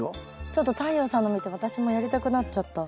ちょっと太陽さんの見て私もやりたくなっちゃった。